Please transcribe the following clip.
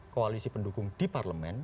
koalisi pendukung di parlemen